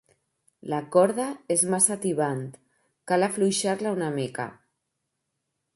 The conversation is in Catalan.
La corda és massa tibant: cal afluixar-la una mica.